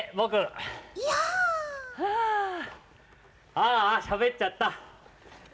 ああしゃべっちゃった。